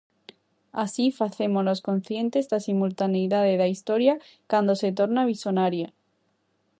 Así, facémonos conscientes da simultaneidade da historia cando se torna visionaria.